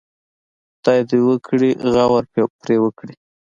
خدای دې وکړي غور پرې وکړي.